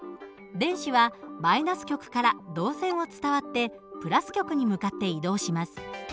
電子は−極から導線を伝わって＋極に向かって移動します。